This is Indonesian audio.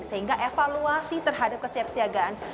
sehingga evaluasi terhadap kesiapsiagaan